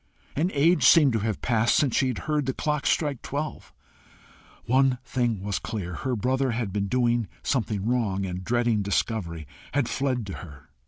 An age seemed to have passed since she heard the clock strike twelve. One thing was clear her brother had been doing something wrong, and dreading discovery, had fled to her.